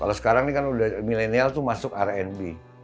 kalau sekarang ini kan udah milenial itu masuk rnb